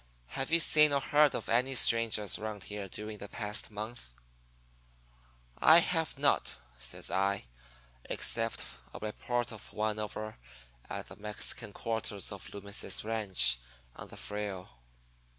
Have you seen or heard of any strangers around here during the past month?' "'I have not,' says I, 'except a report of one over at the Mexican quarters of Loomis' ranch, on the Frio.'